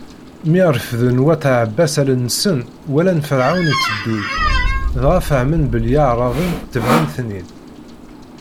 Mi refden wat Ɛebbas allen-nsen, walan Ferɛun itteddu-d, dɣa fehmen belli Iɛraben tebɛen-ten-id.